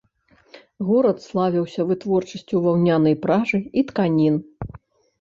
Горад славіўся вытворчасцю ваўнянай пражы і тканін.